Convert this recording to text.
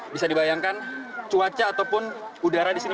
bisa dibayangkan cuaca ataupun udara di sini